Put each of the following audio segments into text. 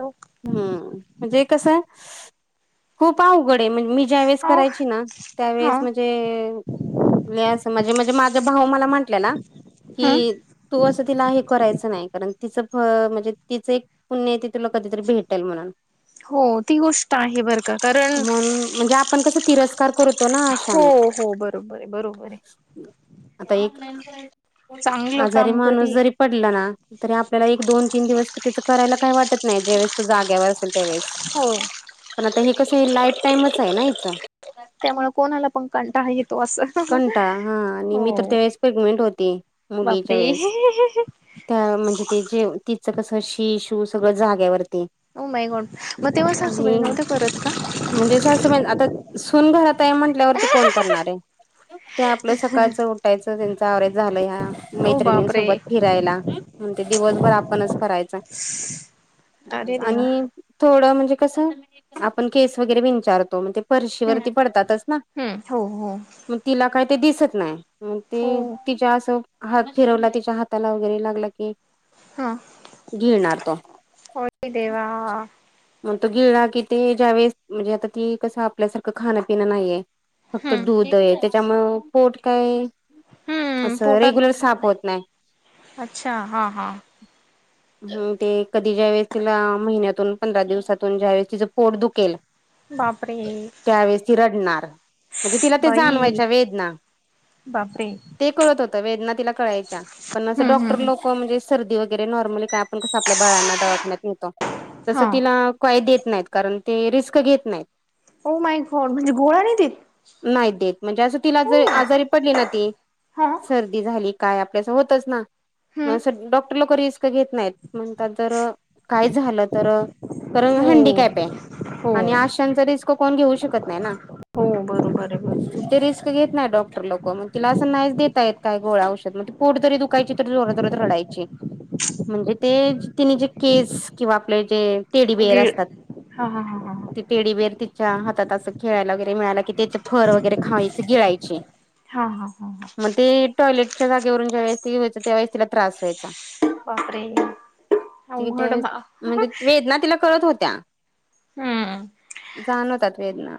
Hello हम्म म्हणजे कसं खूप अवघड हे म्हणजे मी ज्यावेळेस करायची हा ना त्यावेळेस माझ म्हणजे म्हणजे माझ भाऊ मला म्हंटलेला ह की तू असं तिला हे करायचं नाही कारण तिचं फ म्हणजे तिचं एक पुण्य आहे तें तुला कधीतरी भेटल म्हणून हो ती गोष्ट आहे बर का कारण म्हणून म्हणजे आपण कस तिरस्कार करतो ना हो अशाना हो बरोबर आहे बरोबर आहे आता एक चांगलं आजारी काम माणूस कधी जरी पडलं ना तरी आपल्याला एक दोन तीन दिवस त्याचं करायला काही वाटत नाही जेवेळेस तो जाग्यावर असेल त्यावेळेस हो पण आता हे कस लाईफ टाईमच आहे ना हेच त्यामुळे कोणाला पण कंटाळा येतो असं. कंटाळा हा आणि मी तर हो त्या वेळेस प्रेग्नेंट होती मुलीच्या बापरे वेळेस त्या म्हणजे ते जे तिचं कसं शी शू सगळं जाग्यावरती ओ माय गॉड मग तेव्हा सासू बाई आणि नव्हत्या करत का? म्हणजे सासूबाई आता सून घरात हाय म्हटल्यावरती कोण करणार हाय? त्या आपलं सकाळचं उठायचं त्यांच आवरायवचं झालं ह्या हो बापरे मैत्रिणींसोबत फिरायला म्हण ते दिवसभर आपणच करायचं. अरे देवा आणि थोडं म्हणजे कस आपण केस वगैरे विंचारतो मग फरशी हम्म वरती पडतातच ना हम्म हो हो मग तिला काय ते दिसत नाही मग ते हो तिच्या असं हात फिरवला तिच्या हाताला वगैरे लागला की हा घेणार तो होय देवा मग तो गेला कि ती ज्यावेेळेस म्हणजे आता ती कसं आपल्यासारखं खाणं पिणं नाही आहे. फक्त हम्म दूध आहे त्याच्यामुळं पोट काय? हम्म असं रेग्युलर पोटात साफ होत नाही? अच्छा हा हा हम्म ते कधी ज्या वेळेस तिला महिन्यातून पंधरा दिवसातून ज्या वेळेस तिचं पोट दुखेल बापरे त्यावेळेस ती रडणार म्हणजे तिला ते जाणवाय बाई च्या वेदना बापरे ते कळत होत वेदना तिला कळायच्या पण अस हम्म डाॅक्टर हम्म लोक म्हणजे अस सर्दी वगैरे नॉर्मली काय आपण कसं आपल्या बाळांना दवाखान्यात नेतो तस हा तिला काही देत नाहीत, कारण ते रिस्क घेत नाहीत. ओ माय गाॅड, म्हणजे गोळया नाही देत? नाही देत म्हणजे असं तिला हो जे आजारी पडली ना ती हा सर्दी झाली काय आपल्यास होतच ना म हम्म अस, डॉक्टर लोक रिस्क घेत नाहीत म्हणतात जर काय झालं तर कारण हो हँडीकॅप ये, हो आणि आश्यांचा रिस्क कोण घेऊ शकत नाही ना. हो बरोबर. ते बरोबर रिस्क घेत नाही डॉक्टर लोक मग तिला असं नाहीच देता येत काय गोळा औषध मग पोट जरी दुख कायची तरी जोर जोरात रडायची. म्हणजे ते तिने जे केस किंवा आपले जे टेडी बिअर गिळ असतात. हा हा हा हा टेडीबेर तिच्या हातात असं खेळायला वगैरे मिळाला कि त्याच फर वगैरे खायची गिळायची. हा हा हा हा. मग ते टॉयलेटच्या जागेवरून ज्या वेळेस ते व्हायचं त्यावेळेस तिला त्रास व्हायचा. बापरे ते अवघड त्यावेळेस बा म्हणजे वेदना तिला कळत होत्या. हम्म जाणवतात वेदना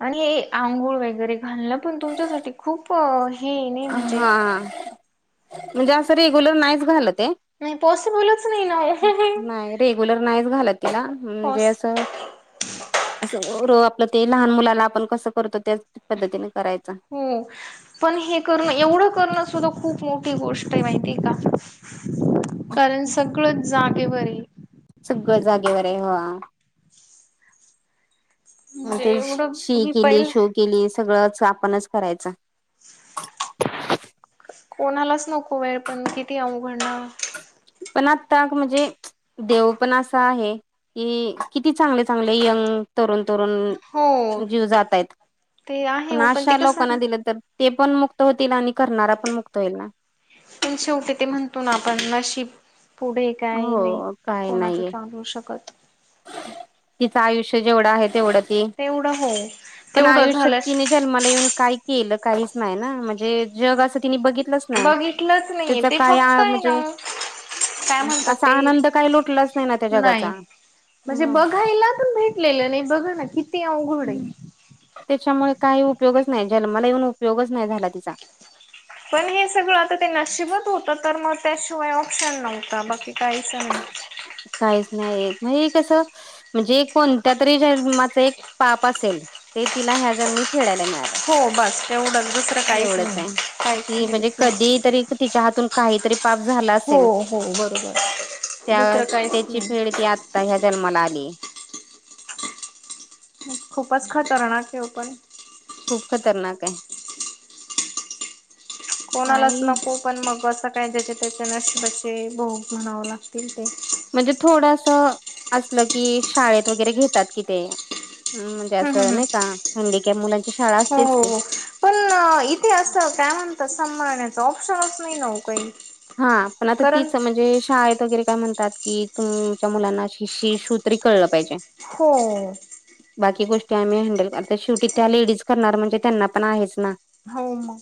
आणि हे आंघोळ वगैरे घालण पण तुमच्यासाठी खूप हे नाही म्हणजे हा म्हणजे असं रेग्युलर नाहीच घालंत ये. नाही पॉसिबलच नाही ना. नाही रेग्युलर नाहीच घालत तिला म्हणजे पॉस असं अस र आपलं ते लहान मुलाना आपण कसं करतो त्याच पद्धतीने करायच. हो पण हे करून, एवढं करणं सुद्धा खूप मोठी गोष्ट आहे माहिती आहे का. कारण सगळंच जागेवर ये. सगळ जागेवर आहे, हो हा. म म्हणजे ते एवढं शी मी केली, पहिल शू केली सगळंच आपणच करायचं. कोणालाच नको वेळ पण किती अवघडणना पण आता ग म्हणजे देव पण असा आहे की किती चांगले चांगले यंग तरुण तरुण हो जीव जातायेत, ते आहे पण हो ते अशा कसं लोकांना ना दिलं तर ते पण मुक्त होतील, आणि करणारा पण मुक्त होईल ना. पण शेवटी ते म्हणतो ना आपण नशीब पुढे काय नाही हो काय कोणाचं नाहीये चालू शकत. तिचं आयुष्य जेवढं आहे तेवढंच ती, तेवढं हो पण तेवढं आयुष्यात झालं तिने जन्माला येऊन काही केलं काहीच नाही ना म्हणजे जग अस तिनी बघित तलच नाय बघितलंच नाहीये तिच ते काय फक्त आहे ना म्हणजे काय म्हणतात असा ते आनंद काही लुटलाच नाही ना त्या नाही जगाचा. म्हणजे बघायला पण भेटलेलं नाही बघा ना किती अवघड आहे. त्याच्यामुळे काही उपयोगच नाही जन्माला येऊन उपयोगच नाही झाला तिचा पण हे सगळं आता ते नशीबात होतं तर मग त्याशिवाय ऑप्शन नव्हता बाकी काहीच नाही. काहीच नाही एक म हे कसं म्हणजे कोणत्या तरी जन्माचं एक पाप असेल ते तिला ह्या जन्मी फेडायला मिळतं. हो बास एवढंच दुसरं काहीच नाही आहे. काहीच ती नाही. म्हणजे कधी तरी तिच्या हातून काहीतरी पाप झालं हो असेल. हो बरोबर. त्या दुसरं काहीच त्याची फेड नाही ती आता ह्या जन्माला आलीय. खूपच खतरनाक आहे ओ पण. खूप खतरनाक आहे. कोणालाच काही नको. पण मग बसचं काय त्याच्यात रिटर्न असतात ते हो म्हणावं लागतील ते. म्हणजे थोडंसं असलं, की शाळेत वगैरे घेतात कि ते. हम् म्हणजे हम्म हम्म असं हम्म. नाही का हुंडी के मुलं. हो हो. पण इथे असं काय म्हणतात संभाळण्याचं ऑप्शनच नाही ओ कधी. हा. पण आता तीच म्हणजे शाळेत वगैरे काय म्हणतात कि तुमच्या मुलांना शिशी शू तरी कळलं पाहिजे. हो. बाकी गोष्टी आम्ही हँडल करतो शेवटी त्या लेडीज करणार म्हणजे त्यांना पण आहेच ना. हाऊ मग.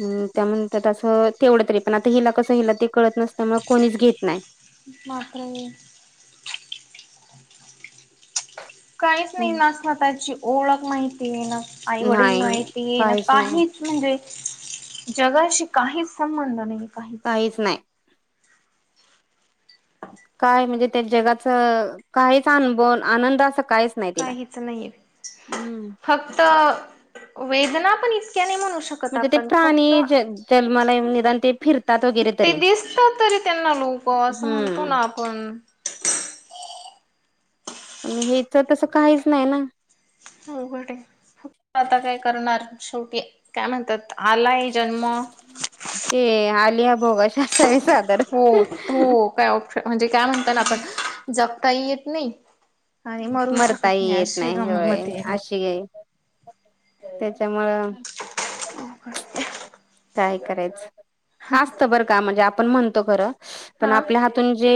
हम त्या म्हणत्यात असं तेवढं तरी पण हिला कसं हिला ते कळत नसल्यामुळे कोणीच घेत नाही. माकूम. काहीच नाही हम्म. ना स्वतःची ओळख माहिती ये ना आईवडील नाही माहिती ये ना नाही काहीच म्हणजेच जगाशी काहीच संबंध नाही. काहीच नाही. काय म्हणजे त्या जगाचं काहीच अनभव आनंद आज सं काहीच नाही दिला काहीच नाहीये. हम्म्. फक्त वेदना पण इतक्या नाही म्हणू शकत फता म्हणजे ते आपण फक्त प्राणी ज जन्माला येऊन निदान ते फिरतात वगैरे ते तरी दिसतं तरी त्यांना मोब हो असं म्हणतो हम्म. ना आपण. आणि हीचं तसं काहीच नाही ना. अवघड आहे. उफ् आता काय करणार शेवटी काय म्हणतात आलाय जन्म ते आलीया भोगाशी असावे. हो तू काय ऑप्शन म्हणजे काय म्हणता त्? याला पण जपताही येत नाही. आणि मरू शकत मरताही येत अशी नाही होय गंमत आहे. अशीये. त्याच्यामुळं अवघड आहे. काय करायचं आसत बरं का म्हणजे आपण म्हणतो खरं पण हा आपल्या हात. तुम जे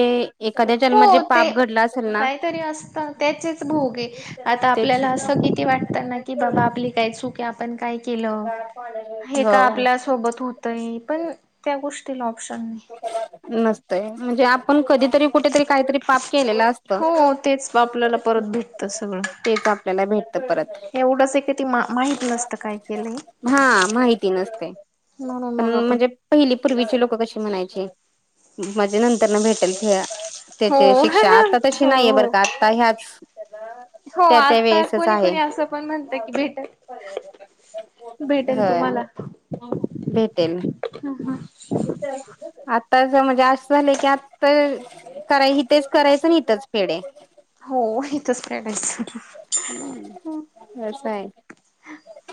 एखाद्या जन्माचे पाप घडलं आसल ना तरी असतं त्याचेच भोगे आता त्याची आपल्याला असं किती वाटत ना की बाबा आपली काय चुक की आपण काय केलं? हे हो काय आपल्या सोबत होतंय पण त्या गोष्टीला ऑप्शन. नसतयं म्हणजे आपण कधी तरी कुठेतरी काहीतरी पाप केलेलं असतं हो तेच आपल्याला परत भेटत सगळं. तेच आप त्याला भेटतं परत. एवढंच आहे की ती मा माहित नसतं काय केलंय हां. माहिती नसते. म्हणुन पण मगआपण. म्हणजे पहिली पूर्वीचे लोक कशी म्हणायचे माझे नंतर न भेटेल फिरायला हो त्याचे शिक्षा हो आता तशी नाहीये बरं हो का आता ह्याच. हो त्या त्या आता वेळेसच कोणी आहे कोणी असं पण म्हणत की भेटल. भेटेल हा भेटेल. हा, हा. आता म्हणजे असं झालंय की आतंर. करायच इथेच करायचं इथेच फेडायचं. हो इथचं, फेडायचं. हं, बस आहे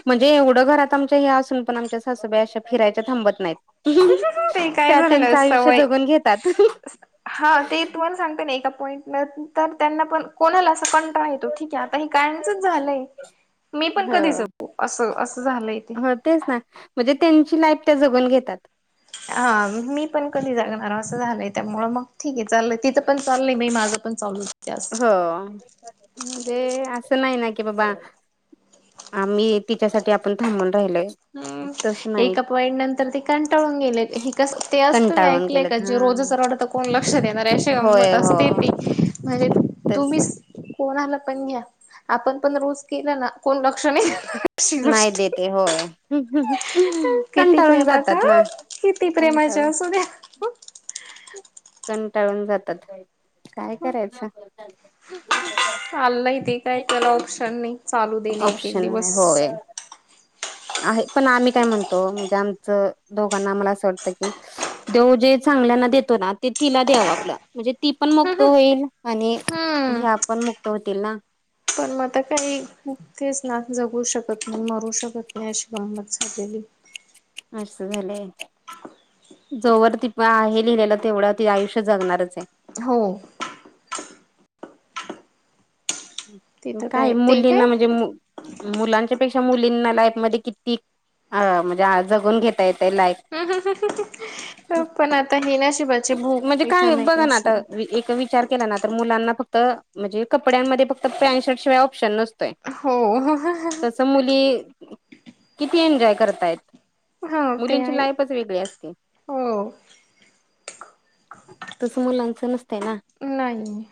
म्हणजे एवढं घरात आमच्या ह्या असून पण आमच्या सासूबाई अशा फिरायच्या थांबत नाहीत. ते काय त्या झालेलं त्यांचं आयुष्य सवय जगून घेतात. हा ते, तुम्हाला सांगते ना, एका पॉईंट मिळाला, तर त्यांना पण कोणाला अस पण काय, ते ठीक आहे आता हे, कायमचचं, झालंय मी पण हो कधी जपू अस असं झालं इथे. हो तेच ना म्हणजे त्यांची लाईफ त्या जगून घेतात. हा मी पण कधी जागणार असं झालंय त्यामुळं, मग ठीक आहे चालय तिथं पण चाललंय मी माझं पण चालूय. हो म्हणजे असं नाही ना कि बाबा. आम्ही तिच्यासाठी आपण थांबून राहिलय, हम्म त. एका, पॉईट नंतर ते कंटाळून गेले हे कस ते असतं तेमी कंटाळून ऐकलंय का गेलेत ते हा रोज. कोण लक्ष देणारअशी गंमत होय हो असते ती म्हणजे तस तुम्ही, कोणा आला पण घ्या आपण पण रोज केलं ना कोण लक्ष नाही देणार. अशी नाही गोष्ट देतयं, होय. किती कंटाळून प्रेमाचा जातात ना किती प्रेमाच्या कंटाळून असू द्या. कंटाळून जातात काय करायचं. चाललंय ते काय त्याला ऑप्शन नाही चालू देणे एक एक ऑप्शन नाही दिवस. होय. आहे पण आम्ही काय म्हणतो म्हणजे आमचं दोघांना आम्हाला असं वाटतं की. देव जे चांगल्याना देतो ना ते तिला द्याव आपलं म्हणजे ती पण मुक्त होईल आणि. हम्म ह्या पण मुक्त होतील ना. पण मग, आता, काही तेच ना जगू शकत नाही मरू शकत नाही अशी गंमत झालेली. असं झालंय. जोवर ति पण, आहे लिहिलेलं तेवढं ती आयुष्य जगणारच आहे. हो तिथं काय ते मुलींना म्हणजे. काय मुलांच्या पेक्षा मुलींना लाईफ मध्ये किती अ म्हणजे जगून घेता येते लाईफ. पण आता हे नशिबाचे, भोग म्हणजे इथं काय नाही बघा ना आता असं. एक विचार केला ना तर मुलांना फक्त म्हणजे कपड्यांमध्ये फक्त पॅट शर्ट शिवाय ऑप्शन नसतोय. हो. तसं मुली, किती एन्जॉय करतायेत हो ते मुलींची आहे लाईफ च. वेगळी असते. हो तस मुलांच नसतं ना नाही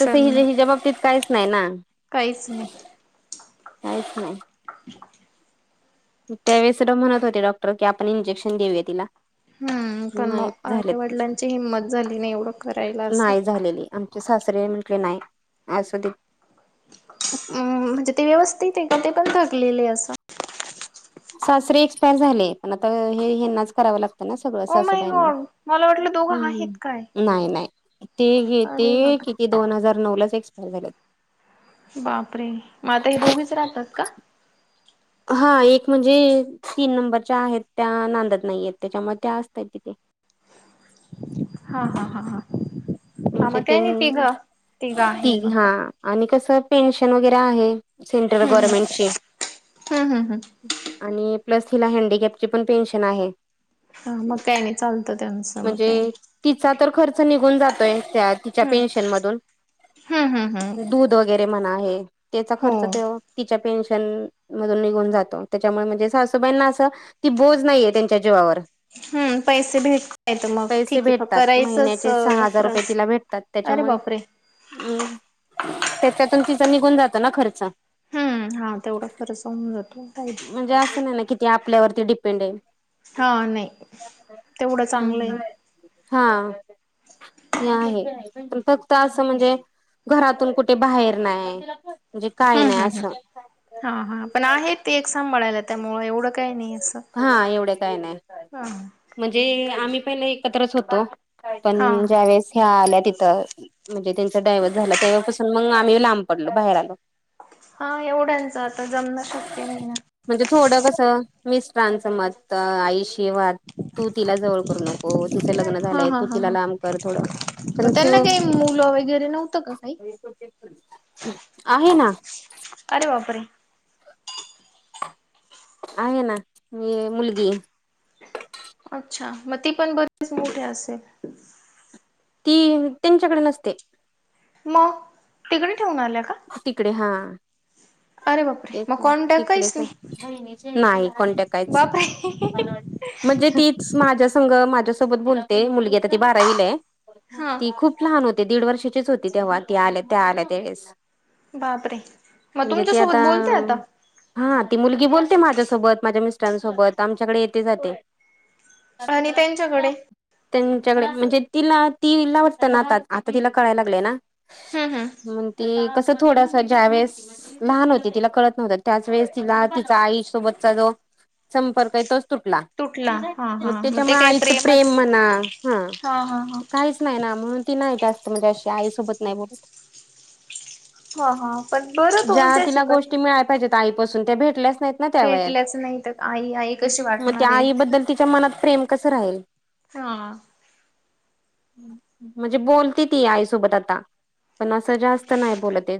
तस हि ला हिच्या बाबतीत काहीच नाही ना. काहीच नाही. काहीच नाही. त्यावेळे तुला म्हणत होते डॉक्टर की आपण इंजेक्शन देऊया तिला. हु, पण मग नाही झाले आईवडिलांची हिंमत झाली नाही एवढं. करायला असं. नाही झालेली, आमचे सासरे म्हटले, नाही, असध हम्. म्हणजे ते व्यवस्थित ये का? का ते पण थकलेले असं? सासरे एक्स्पायर झाले, पण आता हे, हेनाच करावं लाग तना सगळं ओ माय सासूबाईना, गॉड मला वाटलं दोघं आहेत ह्म, काय नाही-नाही, ते हे ते अरे बापरे. किती दोन हजार नऊ लाच, एक्सपायर झाले. बापरे! म आता हे दोघीच राहतात का? हां, एक म्हणजे तीन नंबरच्या आहेत, त्या नांदत नाहीयेत, त्याच्यामुळं त्या असतात, तिथे. [inaudible] हां हां हां हां. तुमचे तेन, आहे तीन मग काय हां. आणि कसं, पेन्शन वगैरे आहे, सेंट्रल गव्हर्नमेंट ची. हम् हम हम. आणि प्लस हिला हँडीकॅपची, पण पेन्शन आहे. हां, मग काही नाही चालतं त्यांचं, मग म्हणजे काय तिचा तर खर्च निघून जातोय, त्या तिच्या हम्म पेन्शन मधून, हम्म हम्म हम्म. दूध वगैरे म्हणा हे, त्यचा हो खर्च तो, तिच्या पेन्शन मधून निघून जातो, त्याच्यामुळ म्हणजे सासूबाईंना असं, ती बोज नाहीये, त्यांच्या जीवावर. हम्म, पैसे भेटतायत मग, पैसे ठीक ये, [unintelligible] भेटतात करायचंच महिन्याचे सहा हजार त्रास. अरे बापरे! हम्, त्याच्यातून तिचा, निघून जातो ना खर्च. हां, तेवढा खर्ंच होऊन जातो. काही म्हणजे असं नाही ना, कि ती आपल्यावरती डिपेंड ये? हा, नही, तेवढं चांगलं य. हां, ते आहे, पण फक्त असं, म्हणजे घरातून कुठे बाहेर नाय, म्हणजे काय नाय, असं. हां हां, पण आहे, ते एक सांभळायला त्यामुंळ एवढं काय नही, असं. हा एवढे काय नाही म्हणजे आम्ही पहिले एकत्रच होतो, पण हा ज्या वेळेस, ह्या आल्या तिथं म्हणजे त्यांचा डायव्हर्स झाला, तेव्हापासून मंग आम्ही लांब पडल, बाहेर आलो. हां, एवढ्यांचं आता, जमणं शक्य नही ना? म्हणजे थोडं कसं, मिस्टरांचं मत, आईष किंवा तू तिला जवळ करू नको, तिचं लग्न झालंय, तू तिला लांब कर थोडं. म पण शिव त्यांना काही मुलं, वगैर आहे ना. अरे बापरे! आहे ना, मी मुलगी. अच्छा, म ती पण ब [unintelligible] च मोठीे असेल? ती, त्यांच्याकड नसते. मं, तिकडे ठेवून आल्या का? तिकडे, हां. अरे बापरे ते मग कॉन्टॅक्ट काहीच तिकडेच नाही ये, नाही कॉन्टॅक्ट काहीच. बापरे म्हणजे तीच, माझ्या संघ, माझ्यासोबत बोलते, मुलगी आता ती बारावीला य, हा ती खूप लहान होते, दीड वर्षाचीच होती, तेव्हा ती आल्या, त्या आल्या, त्यावेळेस. बापरे! म म्हणजे ती आता तुमच्यासोबत बोलतेय आता? हा ती मुलगी बोलते माझ्यासोबत माझ्या मिस्टरांसोबत आमच्याकडे येते-जाते. आणि [unintelligible] त्यांच्याकडे त्यांच्याकडे म्हणजे तिला तीला वाटत ना आता आता तिला कळायला लागलंय ना. हम् ह. म्हण ते कसं थोडस जा्यावेस. लहान होते तिला कळत नव्हतं त्याच वेळेस तिला तिचा आईसोबतचा जो संपर्क आहे तोच तुटला. तुटला हा मग हा ते त्याच्यामुळे काही आईच प्रेम प्रेमच म्हणा हा हा हा काहीच नाही ना म्हणून. ती नाही जास्त म्हणजे अशी आई सोबत नाही बोलत. हा हा. पण बरं ज्या तुमच्याशी तिला कधी गोष्टी मिळाल्या पाहिजेत आईपासून त्या भेटल्याच नाही ना त्या वयात. भेटल्याच नाही तर आई आई कशी मग त्या वाटणार आहे आईबद्दल तिच्या मनात प्रेम कसं राहील. हा. म्हणजे बोलती ती आईसोबत आता. तर जास्त नाही बोलते.